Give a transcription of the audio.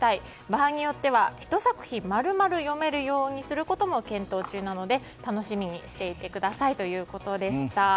場合によってはひと作品丸々読めるようにすることも検討中なので楽しみにしていてくださいということでした。